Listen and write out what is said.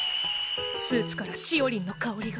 スーツからしおりんの香りが。